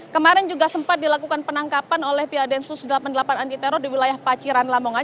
kemarin juga sempat dilakukan penangkapan oleh pihak densus delapan puluh delapan anti teror di wilayah paciran lamongan